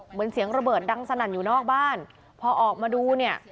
เหมือนเสียงระเบิดดังสนั่นอยู่นอกบ้านพอออกมาดูเนี่ย